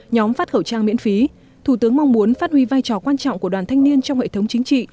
nhóm phát khẩu trang miễn phí thủ tướng mong muốn phát huy vai trò quan trọng của đoàn thanh niên trong hệ thống chính trị